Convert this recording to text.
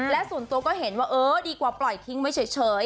และส่วนตัวก็เห็นว่าเออดีกว่าปล่อยทิ้งไว้เฉย